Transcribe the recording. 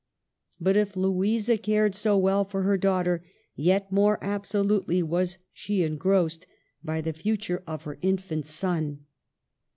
But if Louisa cared so well for her daughter, yet more absolutely was she engrossed by the future of her infant 20 MARGARET OF ANGOULEME. son.